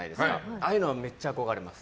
ああいうの、めっちゃ憧れます。